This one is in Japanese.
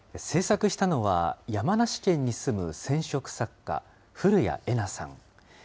制作したのは、山梨県に住む染色作家、古屋絵菜さん。